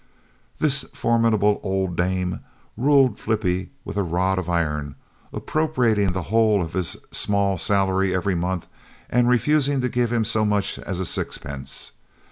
This formidable old dame ruled Flippie with a rod of iron, appropriating the whole of his small salary every month and refusing to give him so much as a sixpence.